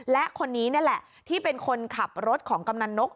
และคนนี้นี่แหละที่เป็นคนขับรถของกำนันนก